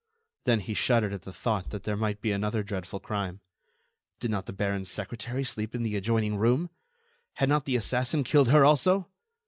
Then he shuddered at the thought that there might be another dreadful crime. Did not the baron's secretary sleep in the adjoining room? Had not the assassin killed her also?